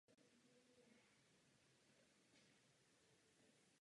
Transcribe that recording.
K nim se nosily červené nebo později bílé punčochy.